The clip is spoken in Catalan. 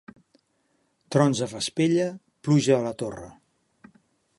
Trons a Vespella, pluja a la Torre.